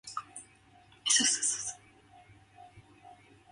It sounds so fearfully old and grown up.